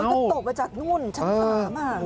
โอ๊ยก็ตกไปจากนู่นฉันสามารถ